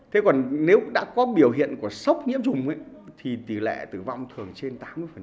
thế còn nếu đã có biểu hiện của sốc nhiễm trùng thì tỷ lệ tử vong thường trên tám mươi